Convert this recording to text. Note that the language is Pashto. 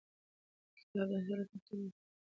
کتاب د انسان لپاره تر ټولو وفادار ملګری دی